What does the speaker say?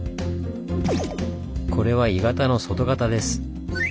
これは鋳型の外型です。